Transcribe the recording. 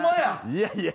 いやいや。